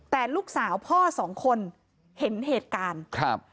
แต่ลูกสาวพ่อสองคนเห็นเหตุการณ์ครับ